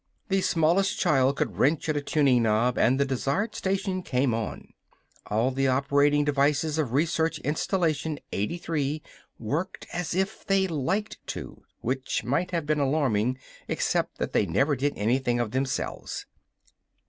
The smallest child could wrench at a tuning knob and the desired station came on. All the operating devices of Research Installation 83 worked as if they liked to which might have been alarming except that they never did anything of themselves.